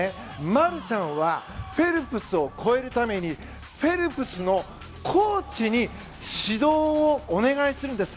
マルシャンはフェルプスを超えるためにフェルプスのコーチに指導をお願いするんです。